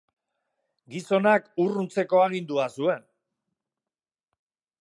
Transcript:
Gizonak urruntzeko agindua zuen.